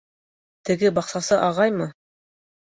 Теге баҡсасы ағаймы?